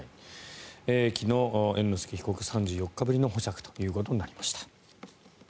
昨日、猿之助被告３４日ぶりの保釈ということになりました。